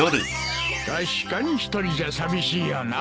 確かに１人じゃ寂しいよな。